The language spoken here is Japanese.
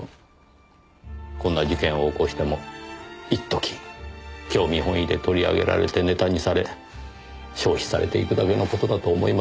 こんな事件を起こしても一時興味本位で取り上げられてネタにされ消費されていくだけの事だと思いますよ。